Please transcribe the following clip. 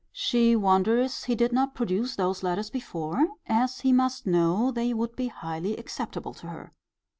She wonders he did not produce those letters before, as he must know they would be highly acceptable to her.